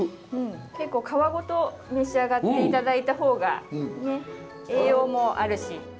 結構皮ごと召し上がって頂いた方が栄養もあるし。